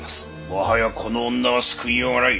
もはやこの女は救いようがない。